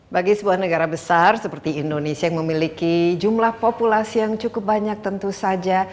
bagi sebuah negara besar seperti indonesia yang memiliki jumlah populasi yang cukup banyak tentu saja